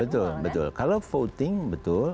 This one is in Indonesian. betul betul kalau voting betul